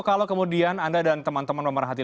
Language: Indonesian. kalau kemudian anda dan teman teman memperhatikan